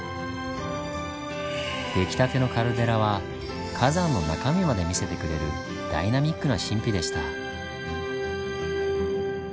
できたてのカルデラは火山の中身まで見せてくれるダイナミックな神秘でした。